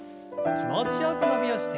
気持ちよく伸びをして。